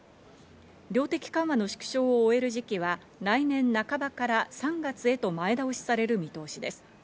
量的緩和の縮小を終える時期は来年半ばから３月へと前倒しされる見通しです。